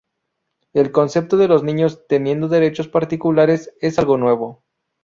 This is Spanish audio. El concepto de los niños teniendo derechos particulares es algo nuevo.